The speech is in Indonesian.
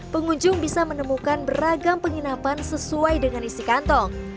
pengunjung bisa menemukan beragam penginapan sesuai dengan isi kantong